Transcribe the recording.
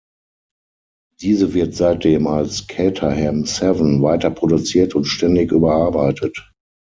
Diese wird seitdem als Caterham Seven weiterproduziert und ständig überarbeitet.